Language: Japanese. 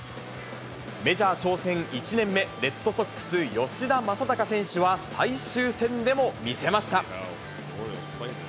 メジャー挑戦１年目、レッドソックス、吉田正尚選手は最終戦でも見せました。